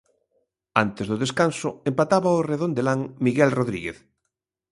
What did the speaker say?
Antes do descanso empataba o redondelán Miguel Rodríguez.